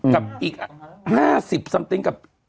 กับอีก๕๐สามติง